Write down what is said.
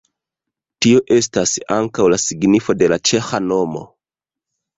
Tio estas ankaŭ la signifo de la ĉeĥa nomo.